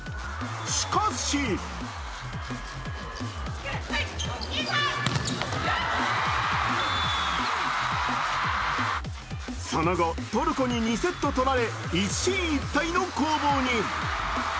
しかしその後、トルコに２セット取られ一進一退の攻防に。